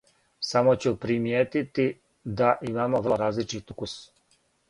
Само ћу примијетити да имамо врло различит укус.